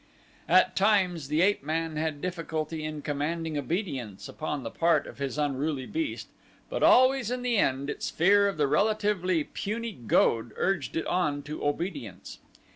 At times the ape man had difficulty in commanding obedience upon the part of his unruly beast, but always in the end its fear of the relatively puny goad urged it on to obedience.